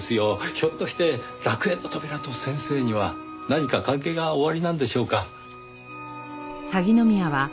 ひょっとして楽園の扉と先生には何か関係がおありなんでしょうか？